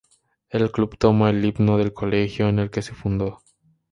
El club toma el himno del colegio en el que se fundó.